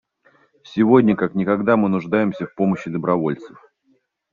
Сегодня как никогда мы нуждаемся в помощи добровольцев.